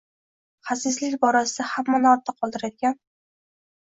Xasislik borasida hammani ortda qoldiradigan